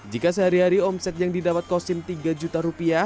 jika sehari hari omset yang didapat kosin rp tiga